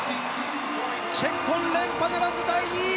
チェッコン連覇ならず第２位。